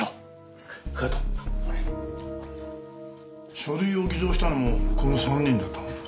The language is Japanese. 書類を偽造したのもこの３人だったの？